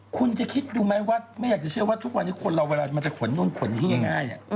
คุณจะคิดดูไหมว่าไม่อยากจะเชื่อว่าทุกวันนี้คนเราเวลามันจะขนนู่นขนนี่ง่าย